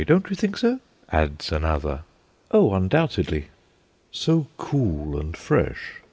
Don't you think so?" adds another. "Oh, undoubtedly." "So cool and fresh."